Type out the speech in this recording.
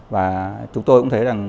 và chúng tôi cũng thấy